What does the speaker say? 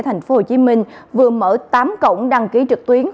tp hcm vừa mở tám cổng đăng ký trực tuyến